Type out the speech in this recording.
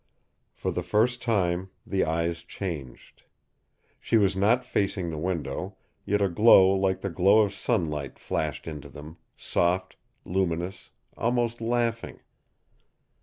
For the first time the eyes changed. She was not facing the window, yet a glow like the glow of sunlight flashed into them, soft, luminous, almost laughing.